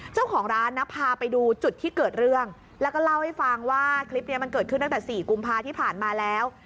เจ้าของร้านนะพาไปดูจุดที่เกิดเรื่องแล้วก็เล่าให้ฟังว่าคลิปนี้มันเกิดขึ้นตั้งแต่๔กุมภาที่ผ่านมาแล้ว